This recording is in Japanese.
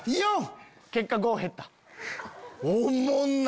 結果５減った。